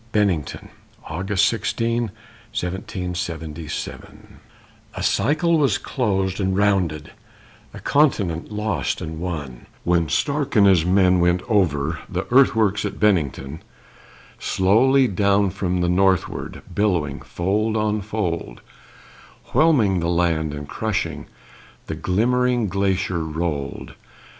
BENNINGTON [August 16, 1777] A cycle was closed and rounded, A continent lost and won, When Stark and his men went over The earthworks at Bennington. Slowly down from the northward, Billowing fold on fold, Whelming the land and crushing, The glimmering glacier rolled.